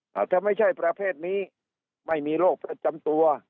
ถ้าไม่ใช่ประเภทนี้ไม่มีโรคประจำตัว